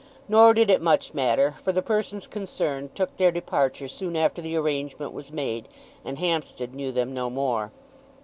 Nor did it much matter, for the persons concerned took their departure soon after the arrangement was made, and Hampstead knew them no more.